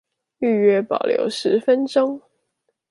預約保留十分鐘